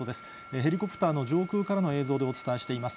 ヘリコプターの上空からの映像でお伝えしています。